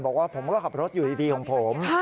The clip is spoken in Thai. บอกว่าผมก็ขับรถอยู่ดีของผม